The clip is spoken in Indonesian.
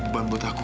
lepasin kak fadil